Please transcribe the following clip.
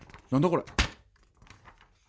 これ。